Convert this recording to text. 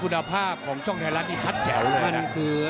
พุดภาพของช่องไทยรัฐที่ชัดแถวเลยนั่นคือ